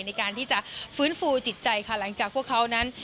ในการที่จะฟื้นฟูจิตใจค่ะหลังจากพวกเขานั้น